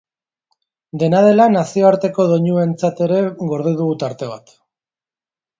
Dena dela, nazioarteko doinuentzat ere gorde dugu tarte bat.